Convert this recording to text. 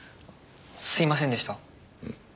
すみませんでした。